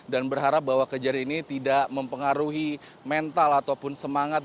dan berharap bahwa kejadian ini tidak mempengaruhi mental ataupun semangat